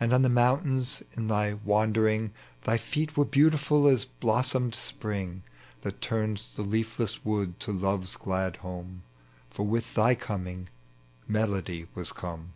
And on the mountains in thy wandering Thy feet were beautiful as blossomed spring, That tui ns the leafless wood to love's glad home. For with thy coming Melody was come.